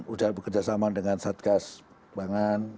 sudah bekerja sama dengan satgas pangan